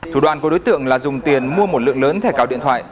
thủ đoạn của đối tượng là dùng tiền mua một lượng lớn thẻ cào điện thoại